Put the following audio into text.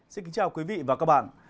xin kính chào quý vị và các bạn